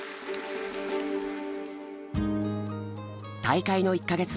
大会の１か月